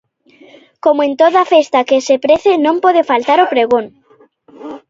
Como en toda festa que se prece, non pode faltar o pregón.